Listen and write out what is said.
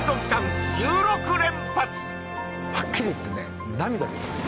はっきり言ってね